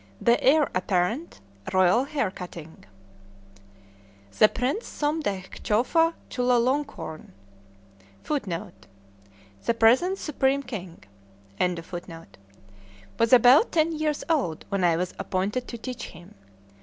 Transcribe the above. THE HEIR APPARENT. ROYAL HAIR CUTTING. The Prince Somdetch Chowfa Chulalonkorn [Footnote: The present Supreme King.] was about ten years old when I was appointed to teach him.